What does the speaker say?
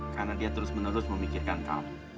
karena dia terus menerus memikirkan kamu